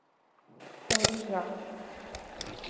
Arujá